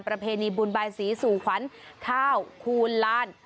ประเพณีบุญบายสีสู่ขวัญข้าวคูณลาน